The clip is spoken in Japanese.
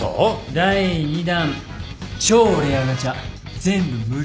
第２弾超レアガチャ全部無料！！